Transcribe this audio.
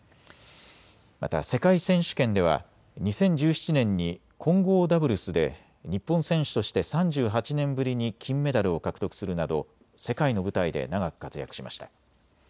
また世界選手権では２０１７年に混合ダブルスで日本選手として３８年ぶりに金メダルを獲得するなど世界の舞台で長く活躍しました。